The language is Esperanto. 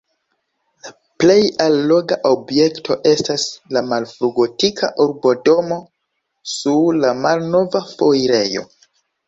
La plej alloga objekto estas la malfrugotika urbodomo sur la Malnova Foirejo.